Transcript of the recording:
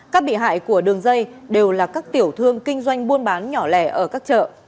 các bị hại của đường dây đều là các tiểu thương kinh doanh buôn bán nhỏ lẻ ở các chợ